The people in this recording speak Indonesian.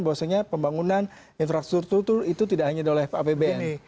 bahwasannya pembangunan infrastruktur itu tidak hanya oleh pak apbn